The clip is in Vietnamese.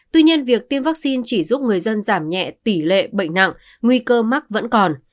tuy nhiên việc tiêm vaccine chỉ giúp người dân giảm nhẹ tỷ lệ bệnh nặng nguy cơ mắc vẫn còn